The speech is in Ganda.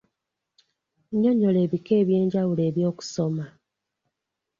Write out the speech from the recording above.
Nnyonnyola ebika eby'enjawulo eby'okusoma.